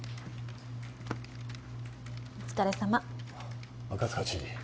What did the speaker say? お疲れさま赤塚知事